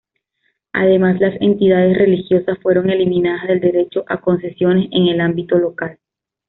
Además, las entidades religiosas fueron eliminadas del derecho a concesiones en el ámbito local.